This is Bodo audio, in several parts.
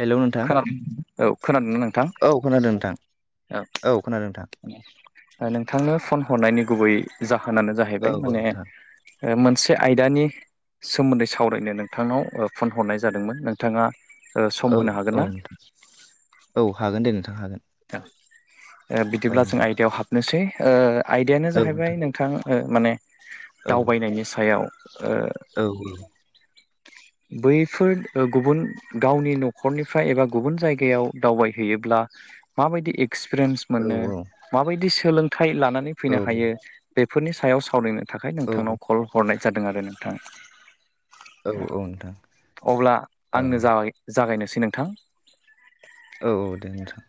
हेलौ नोंथां खोनादों औ खोनादों ना नोंथां औ खोनादों नोंथां औ खोनादों नोंथां नोंथांनो फन हरनायनि गुबै जाहोनानो औ जाहैबाय औ माने नोंथां मोनसे आयदानि सोमोन्दै सावरायनो नोंथांनाव फन हरनाय जादोंमोन नोंथांङा औ औ नोंथां औ हागोन दे नोंथां हागोन औ बिदिब्ला जों नोंथां आयदायाव हाबनोसै आयदायानो जाहैबाय नोंथां माने औ दावबायनायनि सायाव औ बैफोर गुबुन गावनि न'खरनिफ्राय एबा गुबुन जायगायाव दावबायहैयो ब्ला माबायदि एक्सपिरियेन्स औ मोनो माबायदि सोलोंथाइ लानानै औ फैनो हायो बेफोरनि सायाव सावरायनो थाखाय नोंथांनाव कल हरनाय जादों आरो नोंथां औ औ नोंथां अब्ला आंनो जाय जागायनोसै नोंथां औ औ दे नोंथां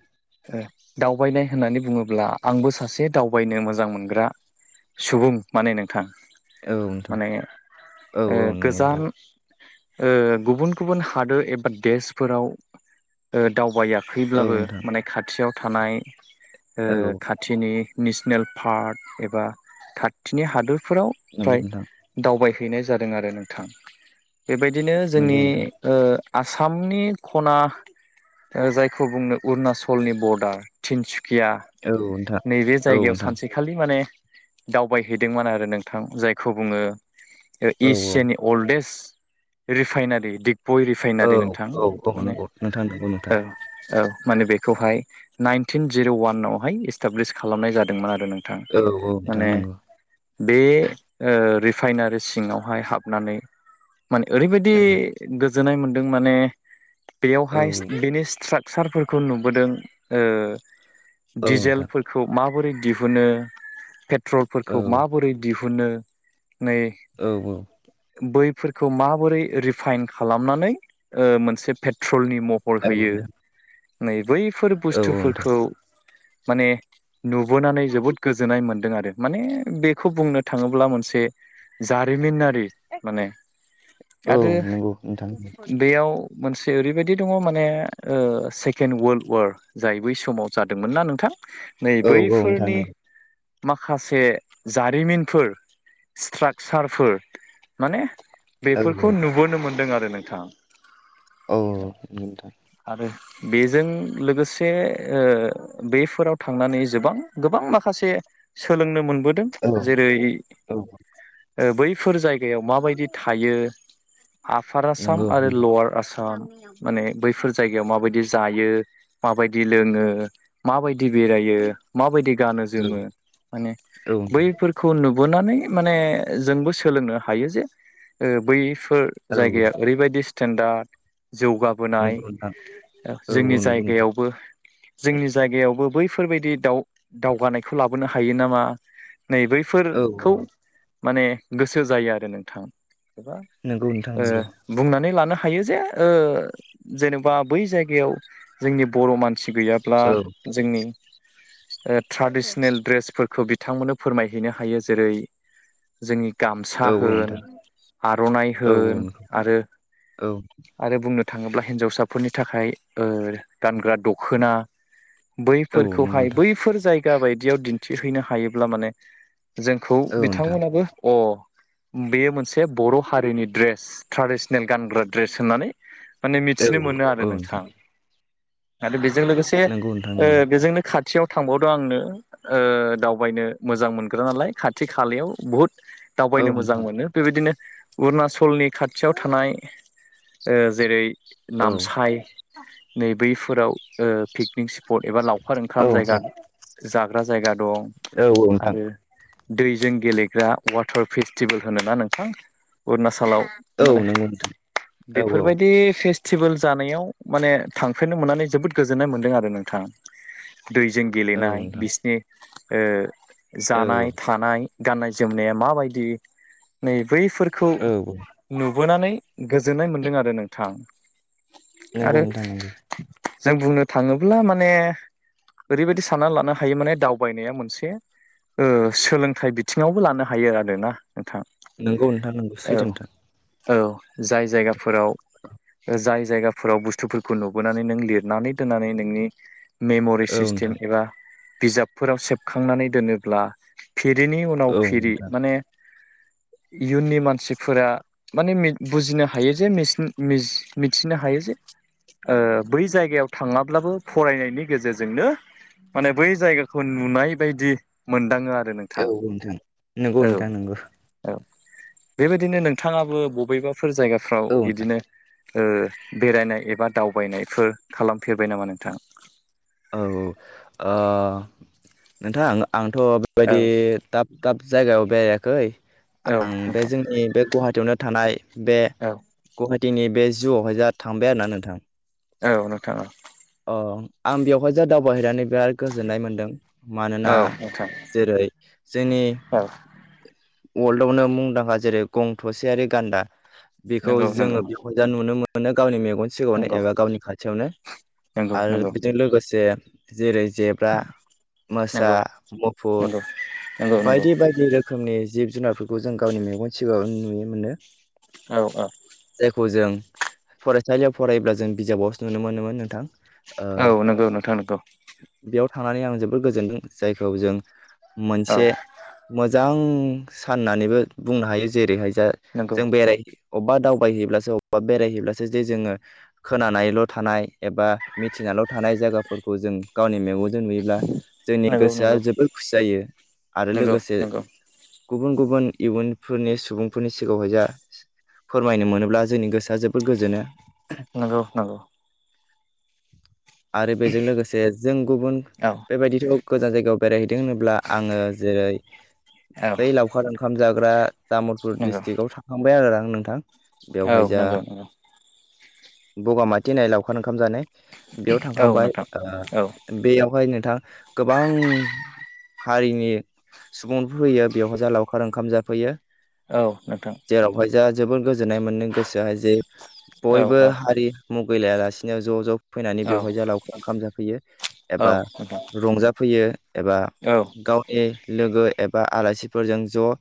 दावबायनाय होननानै बुंङोब्ला आंबो सासे दावबायनो मोजां मोनग्रा सुबुं माने नोंथां औ नोंथां माने औ औ नंगौ गोजाम नोंथां गुबुन गुबुन हादोर एबा देशफोराव दावबायाखै औ ब्लाबो नोंथां माने खाथियाव थानाय औ खाथिनि नेसनेल पार्क एबा खाथिनि हादरफोराव नंगौ फ्राय नोंथां दावबाय हैनाय जादों आरो नोंथां बेबायदिनो नंगौ जोंनि नोंथां आसामनि खना जायखौ बुंनो अरुणाचलनि बर्डार तिनसु गिया औ नोंथां नैबे औ जायगायाव नोंथां सानसेखालि माने दावबायहैदोंमोन आरो नोंथां जायखौ बुङो औ एसियानि अल्डेस्ट रिफाइनारि दिगबय औ रिफाइनारि नोंथां औ औ माने नंगौ नोंथां नंगौ नोंथां औ औ माने बेखौहाय नाइनटिन जिर' वानावहाय इस्टाब्लिस खालामनाय जादोंमोन आरो नोंथां औ औ नोंथां माने नंगौ बे रिफाइनारि सिङावहाय हाबनानै माने ओरैबायदि औ गोजोननाय मोनदों माने औ बेयावहाय बेनि स्ट्राकचारफोरखौ खौ नुबोदों औ नोंथां दिजेलफोरखौ मा माबोरै दिहुनो पेट्रलफोरखौ औ माबोरै दिहुनो नै औ औ बैफोरखौ माबोरै रिफाइन खालामनानै मोनसे पेट्रल ट्रलनि महर होयो नोंथां नै बैफोर औ औ नोंथां बुस्थुफोरखौ माने नुबोनानै जोबोद गोजोननाय मोन्दों आरो माने बेखौ बुंनो थाङोब्ला मोनसे जारिमिनारि माने औ नंगौ नोंथां मोनसे ओरैबायदि दङ माने सेकेण्ड वार्ल्ड वार जाय बै समाव जादोंमोनना नोंथां नै औ औ नोंथां बैफोरनि माखासे जारिमिनफोर स्ट्राकचारफोर माने नंगौ बेफोरखौ नुबोनो मोनदों आरो नोंथाङा औ नोंथां आरो बेजों लोगोसे बैफोराव थांनानै गोबां माखासे सोलोंनो मोनबोदों औ जेरै औ बै फोर जायगायाव माबायदि थायो आफार आसाम नंगौ आरो नोंथां लवार आसाम माने बैफोर जायगायाव माबायदि जायो माबायदि लोङो माबायदि बेरायो माबायदि गानो औ जोमो माने औ नोंथां बैफोरखौ नु बोनानै माने जोंबो सोलोंनो हायो जे बै बेफोर औ औ जायगाया ओरैबायाददि स्टेेनडार्ड जौगाबोनाय नंगौ नोंथां औ जोंनि नंगौ नोंथां जायगायावबो जोंनि जायगायावबो बै बेफोरबायदि दावगानायखौ लाबोनो हायो नामा नै औ बैफोरखौ माने गोसो जायो आरो नोंथां एबा नंगौ नोंथां नंगौ बुंनानै लानो हायो थायो जे जेनेबा बै मानसि गैयाब्ला औ जोंनि ट्राडिसनेल ड्रेसफोरखौ बिथांमोननो फोरमायहैनो हायो जेरै जोंनि औ गामसा होन नोंथां आर'नाइ औ होन नंगौ औ आरो बुंनो थाङोब्ला हिनजावसाफोरनि थाखाय गानग्रा दखना नंगौ बैफोरखौहाय नोंथां बैफोर जायगा बायदियाव दिन्थिहैनो हायोब्ला माने जोंखौ औ नोंथां बिथांमोनाबो अ बेयो मोनसे बर' हारिनि ड्रेस ट्रेडिसनेल गानग्रा ड्रेस होननानै माने औ मिथिनो मोनो आरो नोंथां आरो बेजों लोगोसे नंगौ नोंथां नंगौ बेजोंनो खाथि खाथियाव थांबावदो आंनो दावबायनो मोजां मोनग्रा नालाय खाथि खालायाव बुहुद औ दावबायनो मोजां नोंथां मोनो बेबायदिनो अरुनाचलनि खाथियाव थानाय जेरै औ नामसाइ नै बैफोराव पिकनिक स्पट एबा लावखार औ ओंखाम जायगा नोंथां जाग्रा जायगा दं औ नोंथां आरो दैजों गेलेग्रा वाटार फेस्टिभेल होनोना नोंथां अरुणाचल आथिखालाव औ माने नंगौ नोंथां औ बेफोरबायदि जानायाव माने थांफेरनो मोननानै जोबोद गोजोननाय मोनदों आरो नोंथाङा दैजों औ गेलेनाय नोंथां बिसिनि औ जानाय थानाय गाननाय जोमनाया माबायदि नै बैफोरखौ औ औ नु बोनानै गोजोननाय मोनदों आरो नोंथां नोंगौ आरो नोंथां नंगौ जों बुंनो थाङोब्ला माने ओरैबायदि साननानै लानो हायो माने दावबायनाया मोनसे ओ सोलोंथाइ बिथिङावबो लानो हायो आरो ना नोंगौ नोंथां नोंगौ सैथो नोंथां। औ। जाय जायगाफोराव जाय जायगा- फोराव बुस्थुफोरखौ नुबोनानै नों लिरनानै दोननानै नोंनि मेमरि औ नोंथां सिस्टेम एबा बिजाबफोराव सेबखांनानै दोनोब्ला फिरिनि औ उनाव नोंथां फिरि माने इयुननि मानसिफोरा माने बुजिनो हायो जे मिसि मिस मिथिनो हायो जे ओ बै जायगायाव थाङाब्लाबो फरायनायनि गेजेरजोंनो । माने बै जायगाखौ नुनाय बायदि मोनदाङो आ औ ओनोंथां। नोंथां नंगौ औ नोंथां नंगौ औ बेबायदिनो नोंथाङाबो बबेबाफोर जायगाफ्राव औ नोंथां। इदिनो ओ बेरायनाय एबा दावबायनायफोर खालामफेरबाय नामा नोंथा? औ औ ओ नोंथां आंथ' औ बेबायदि दाब-दाब जायगायाव बेरायाखै आं बे नोंथां जोंनि बे गुवाहाटियावनो थानाय बे औ गुहा टिनि बे जुआवहाय जा थांबाय आरो ना नोंथां औ नोंथां औ अ आं बेवहाय जा दावबायहैनानै बिराद गोजोननाय मोन्दों। औ मानोना नोंथां जेरै जोंनि औ वर्ल्डआवनो मुंदांखा जेरै गं थसेयारि गान्दा बेखौ नंगौ नंगौ जोङो बिखुनजा नुनो मोनो गावनि मे गन सिगाङावनो नंगौ एबा गावनि खाथियावनो नंगौ आरो नंगौ बेजों लोगोसे जेरै जेब्रा, मोसा, नंगौ मुफुर नंगौ नंगौ नंगौ बायदि बायदि रोखोमनि जिब जुनारफोरखौ जों गावनि मेगन सिगाङाव नुनो मोनो औ औ खौ जों फरायसालियाव फरायोब्ला जों बिजाबावसो नुनो मोनोमोन नोंथां ओ औ नोंगौ नोंथां नोंगौ बेयाव थांनानै आं जोबोर गोजोनदों जायखौ जों औ मोनसे मोजां [unintelligible] साननानैबो बुंनो हायो जेरैहाय जा नंगौ जों बेराय अबबा दावबायहैयोब्लासो अबेबा बेरायहैयोब्लासो जे जोङो खोनानायल' थानाय एबा मिथिनाल' थानाय जायगाफोरखौ जों गावनि मेगनजों नुयोब्ला जोंनि नंगौ गोसोआ जोबोर खुसि जायो आरो नंगौ लोगोसे नंगौ गुबुन-गुबुन इयुनफोरनि सुबुंफोरनि सिगाङावहाय जा फोरमायनो मोनोब्ला जोंनि गोसो आ जोबोद गोजोनो नंगौ नंगौ आरो बेजों लोगोसे जों गुबुन औ बेबायदिथ' गोजान जायगायाव बेरायहैदों होनोब्ला आङो जेरै औ बै लावखार ओंखाम जाग्रा तामुलपुर नंगौ ड्रिस्टिकआव थांखांबाय आरो आं नोंथां औ नंगौ नंगौ बगामाति होननाय लावखार ओंखाम जानाय बेयाव औ थांखांबाय नोंथां ओ औ बेयावहाय नोंथां गोबां हारिनि सुबुं फैयो बेव जा लावखार ओंखाम जाफैयो औ नोंथां जेरावहाय जा जोबोर गोजोननाय मोनो गोसोहाय जे औ बयबो हारि मुगैलायालासिनो ज' ज' फैनानै औ बेवहाय जा लावखार ओंखाम जाफैयो औ एबा नोंथां रंजाफैयो एबा औ गावनि लोगो एबा आलासिफोरजों ज'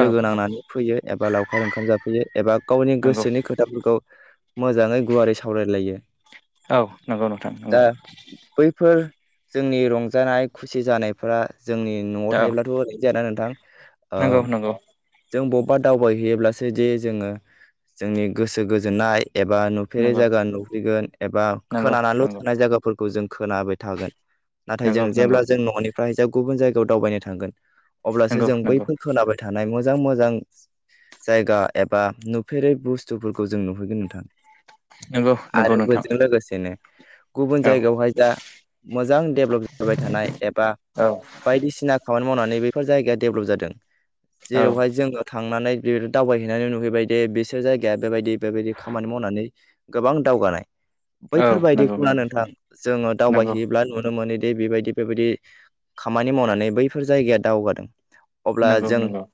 औ औ नांनानै फैयो एबा लावखार ओंखाम जाफैयो एबा गावनि नंगौ गोसोनि खोथाफोरखौ मोजाङै गुवारै सावरायलायो औ नंगौ नोंथां नंगौ फोर जोंनि रंजानाय खुसि जानायफोरा जोंनि न'आव औ थायोब्लाथ' ओरै जायाना नोंथां नंगौ नंगौ जों बब्बा दावबायहैयोब्लासो दि जोङो जोंनि गोसो गोजोननाय एबा नुफेरै नंगौ जायगा नुहैगोन एबा नंगौ नंगौ खोनानाल' नंगौ थानाय जागाफोर खौ जों खोनाबाय थागोन नाथाय नंगौ जों जेब्ला जों न'निफ्राय जा गुबुन जायगायाव दावबायनो थांगोन अब्लासो नंगौ जों नंगौ बैफोर खोनाबाय थानाय मो जां मोजां जायगा एबा नुफेरै बुस्थुफोरखौ जों नुहैगोन नोंथां। नंगौ नंगौ आरो नों बेजों लोगोसेनो गुबुन जायगायावहाय जा मोजां डेभेलप जाबाय थानाय एबा औ बायदिसिना खामानि मावनानै बेफोर जायगाया डेभलप जादों औ जेरावहाय जोङो थांनानै [unintelligible] दावबायहैनानै नुहैबायदे बिसोर जायगाया बेबायदि बेबायदि खामानि मावनानै गोबां दावगानाय। औ नंगौ बैफोरबायदिखौना नंगौ नोंथां जोङो नंगौ दावबायहैयोब्ला नुनो मोनो दि जेरै बेबायदि बेबायदि खामानि मावनानै बैफोर जायगाया दावगादों। अब्ला नंगौ जों नंगौ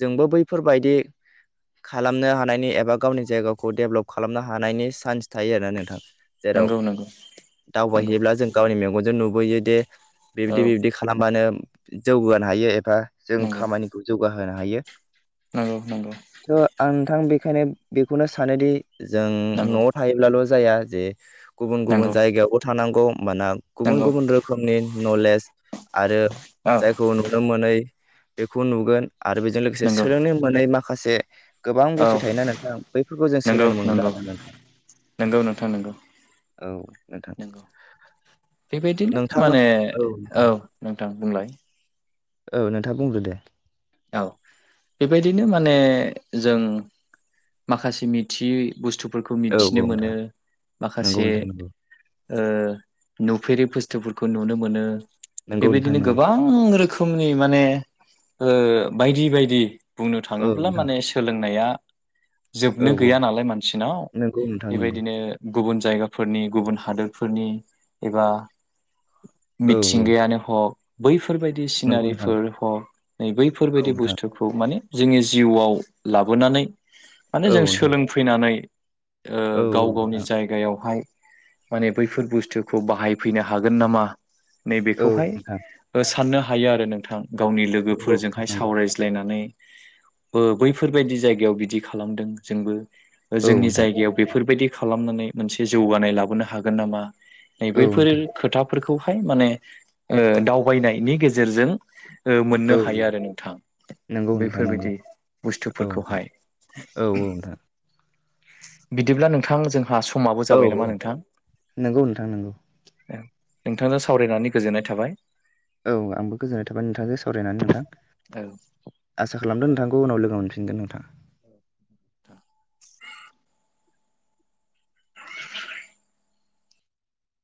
जोंबो बैफोरबायदि खालामनो हानायनि एबा गावनि जायगाखौ डेभलप खालामनो हानायनि चान्स थायो आरो नों थां जेराव नंगौ नंगौ नंगौ दावबायहैयोब्ला जों गावनि मेगनजों नुबोयो दे औ बिबिदि बिबिदि खालामबानो जौगानो हायो एबा जों नंगौ खामानिखौ जौगा होनो हायो। नंगौ नंगौ। थ' आं नोंथां बेखायनो बेखौनो सानोदि जों नंगौ न'आव थायोब्लाल' जाया जे गुबुन गुबुन नंगौ जायगायावबो थांनांगौ होमबाना गुबुन नंगौ गुबुन रोखोमनि नलेज आरो औ जायखौ नुनो मोनै बेखौ नुगोन आरो बेजों लोगोसे नंगौ सोलोंनो मोनै माखासे गोबां औ बुस्थु थायोना नोंथां बैफोरखौ जों नंगौ सोलोंनो मोनगोन नंगौ आरो नोंथां। नंगौ नोंथां नंगौ औ नोंथां। नंगौ बेबायदिनो नोंथाङा माने औ नोंथां नोंथां बुंलाय। औ नोंथाङा बुंग्रो दे। औ बेबायदिनो माने जों माखासे मिथियै बुस्थुफोरखौ औ मिथिनो औ मोनो नोंथां नंगौ माखासे नोंथां नंगौ नुफेरि बुस्थुफोरखौ नुनो मोनो नंगौ नोंथां बेबायदिनो नंगौ गोबां रोखो मनि माने बायदि बायदि बुंनो औ थाङोब्ला नोंथां माने सोलोंनाया औ जोबनो औ गैया नालाय मानसिनाव नंगौ नोंथां नंगौ बेबायदिनो गुबुन जायगाफोरनि गुबुन हादोरफोरनि एबा औ औ मिथिंगायानो हक बैफोरबायदि नंगौ नोंथां सिनारिफोर हक नै औ बैफोरबायदि नोंथां बुस्थुखौ माने जोंनि जिउआव लाबोनानै माने औ जों नोंथां सोलोंफैनानै औ गाव गावनि नोंथां जायगायावहाय माने बैफोर बुस्थुखौ बाहायफैनो हागोन नामा औ नोंथां नैबेखौहाय साननो हायो आरो नोंथां गावनि लोगो नंगौ नोंथां फोरजोंहाय नंगौ सावरायज्लायनानै बैफोरबायदि जायगायाव बिदि खालामदों जोंबो औ जोंनि नोंथां जायगायाव बेफोरबायदि खालामनानै मोनसे जौगानाय लाबोनो हागोन नामा नै बैफोर खोथा फोरखौहाय माने दावबायनायनि गेजेरजों मोननो औ नोंथां औ हा यो आरो नोंथां नंगौ नोंथां नंगौ बैफोरबायदि औ नोंथां बुस्थुफोरखौहाय। औ औ नोंथां। बिदिब्ला नोंथां जोंहा स माबो औ जाबाय औ नामा नोंथां? नंगौ नोंथां नंगौ नोंथांजों सावरायनानै गोजोननाय थाबाय। औ आंबो गोजोननाय थाबाय नोंथांजों सावरायनानै नोंथां आसा खालामदों नोंथांखौ उनाव लोगो मोनफिनगोन नोंथां। औ